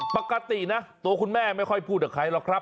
ปกตินะตัวคุณแม่ไม่ค่อยพูดกับใครหรอกครับ